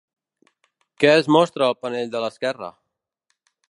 Què es mostra al panell de l'esquerra?